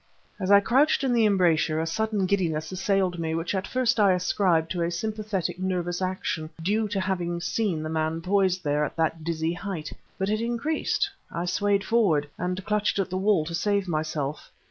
As I crouched in the embrasure, a sudden giddiness assailed me, which at first I ascribed to a sympathetic nervous action due to having seen the man poised there at that dizzy height. But it increased, I swayed forward, and clutched at the wall to save myself.